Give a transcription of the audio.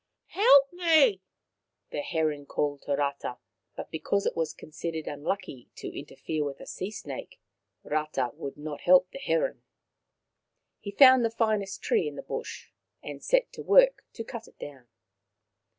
" Help me," the heron called to Rata, but be cause it was considered unlucky to interfere with a sea snake Rata would not help the heron. He found the finest tree in the bush and set to work to cut it down.